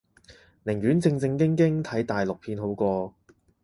寧願正正經經睇大陸片好過